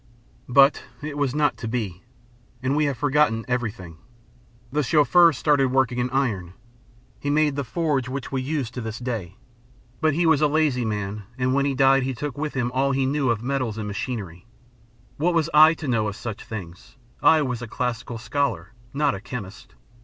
But it was not to be, and we have forgotten everything. The Chauffeur started working in iron. He made the forge which we use to this day. But he was a lazy man, and when he died he took with him all he knew of metals and machinery. What was I to know of such things? I was a classical scholar, not a chemist..